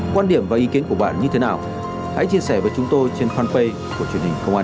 quan điểm và ý kiến của bạn như thế nào hãy chia sẻ với chúng tôi trên fanpage của truyền hình công an